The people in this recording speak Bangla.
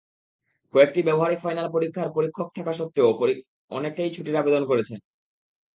কয়েকটি ব্যবহারিক ফাইনাল পরীক্ষার পরীক্ষক থাকা সত্ত্বেও অনেকেই ছুটির আবেদন করছেন।